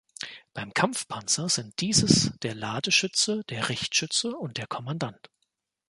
Beim Kampfpanzer sind dieses der Ladeschütze, der Richtschütze und der Kommandant.